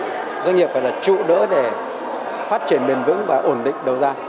doanh nghiệp phải là trụ đỡ để phát triển bền vững và ổn định đầu ra